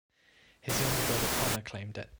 His younger brother, Conor, claimed it.